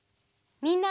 みんな！